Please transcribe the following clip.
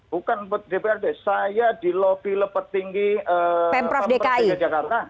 bukan dprd saya dilobi oleh petinggi pemprov dki jakarta